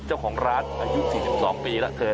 เจ้าของร้านอายุ๔๒ปีแล้วเธอ